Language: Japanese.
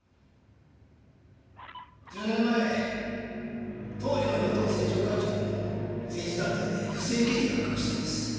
１０年前当時の与党政調会長の政治団体で不正経理が発覚したんです。